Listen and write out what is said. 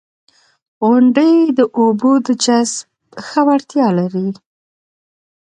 • غونډۍ د اوبو د جذب ښه وړتیا لري.